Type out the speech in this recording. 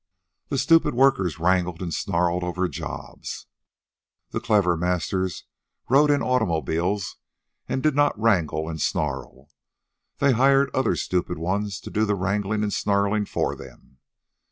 The stupid workers wrangled and snarled over jobs. The clever masters rode in automobiles and did not wrangle and snarl. They hired other stupid ones to do the wrangling and snarling for them.